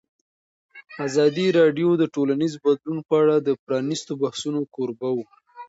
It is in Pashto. ازادي راډیو د ټولنیز بدلون په اړه د پرانیستو بحثونو کوربه وه.